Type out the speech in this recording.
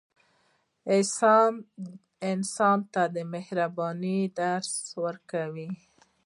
احساس انسان ته د مهربانۍ درس ورکوي.